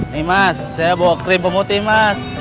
nih mas saya bawa krim pemutih mas